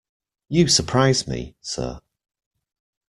You surprise me, sir.